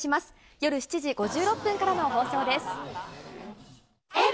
夜７時５６分からの放送です。